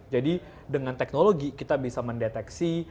jadi dengan teknologi kita bisa mendeteksi